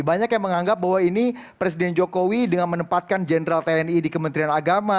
banyak yang menganggap bahwa ini presiden jokowi dengan menempatkan jenderal tni di kementerian agama